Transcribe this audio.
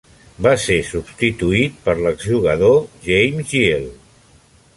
Va ser substituït per l'exjugador James Gill.